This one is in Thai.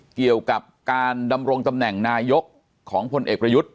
เกี่ยวกับการดำรงตำแหน่งนายกของพลเอกประยุทธ์